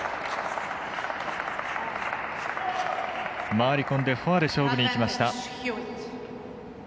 回り込んでフォアで勝負にいきました。